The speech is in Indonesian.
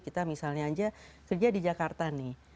kita misalnya aja kerja di jakarta nih